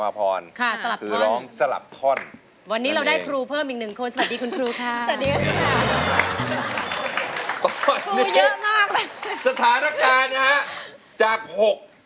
ขอโทษนะครับ